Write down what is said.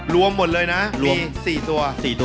รวมหมดเลยนะมี๔ตัว